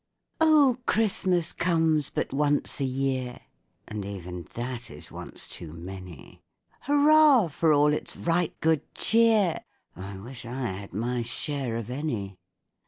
O, CHRISTMAS comes but once a year! (And even that is once too many;) Hurrah for all its right good cheer! (_I wish I had my share of any!